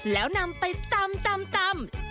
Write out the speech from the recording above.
แล้วนำไปตำ